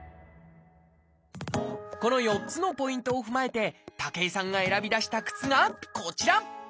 この４つのポイントを踏まえて武井さんが選び出した靴がこちら！